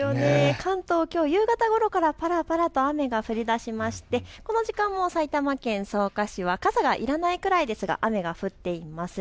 関東、きょう夕方ごろからぱらぱらと雨が降りだしてこの時間も埼玉県草加市は傘がいらないくらいですが雨が降っています。